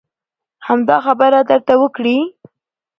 همدا خبره به درته وکړي.